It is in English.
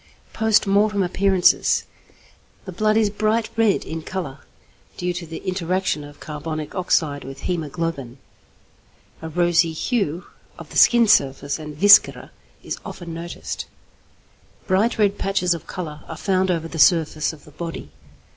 Post Mortem Appearances. The blood is bright red in colour, due to the interaction of carbonic oxide with hæmoglobin. A rosy hue of the skin surface and viscera is often noticed. Bright red patches of colour are found over the surface of the body.